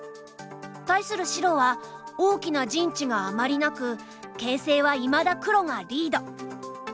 対する白は大きな陣地があまりなく形勢はいまだ黒がリード。